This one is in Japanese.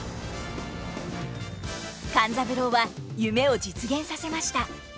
勘三郎は夢を実現させました。